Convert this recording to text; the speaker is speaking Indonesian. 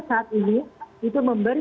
saat ini itu memberi